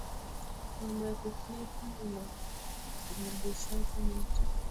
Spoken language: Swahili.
Mambo ya kupita inagondeshaka mutu